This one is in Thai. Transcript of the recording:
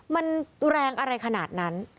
มันแรงอะไรขนาดนั้น